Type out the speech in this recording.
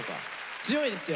強いですよ。